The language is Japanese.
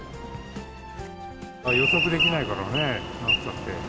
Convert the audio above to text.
予測できないからね、なんたって。